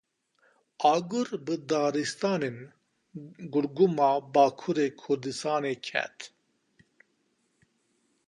Agir bi daristanên Gurgum a Bakurê Kurdistanê ket.